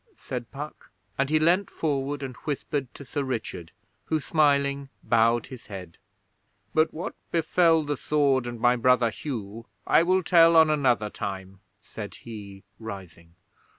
said Puck; and he leaned forward and whispered to Sir Richard, who, smiling, bowed his head. 'But what befell the sword and my brother Hugh I will tell on another time,' said he, rising.